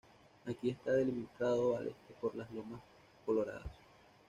Aquí está delimitado al este por las Lomas Coloradas.